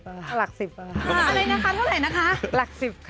ก็หลักสิบค่ะ